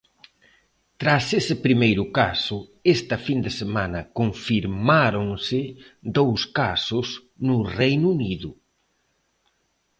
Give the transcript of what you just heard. Tras ese primeiro caso, esta fin de semana confirmáronse dous casos no Reino Unido.